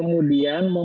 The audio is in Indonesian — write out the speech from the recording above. yang itu adalah kegiatan